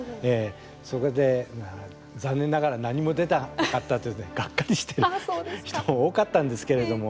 そこで、残念ながら何も出なかったといってがっかりした人が多かったんですけれども。